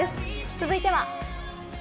続いては。